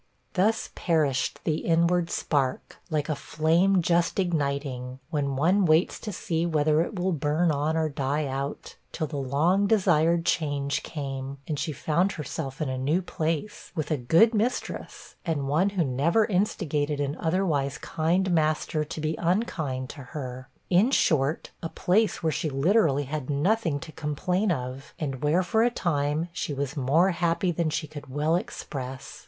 Thus perished the inward spark, like a flame just igniting, when one waits to see whether it will burn on or die out, till the long desired change came, and she found herself in a new place, with a good mistress, and one who never instigated an otherwise kind master to be unkind to her; in short, a place where she had literally nothing to complain of, and where, for a time, she was more happy than she could well express.